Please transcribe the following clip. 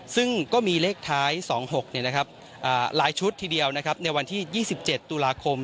ซึ่งก็มีเลขท้าย๒๖หลายชุดทีเดียวในวันที่๒๗ตุลาคม